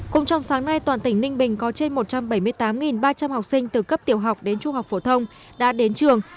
cùng trong sáng nay toàn tỉnh ninh bình có trên một trăm bảy mươi tám ba trăm linh học sinh từ cấp tiểu học đến trung học phổ thông đã đến trường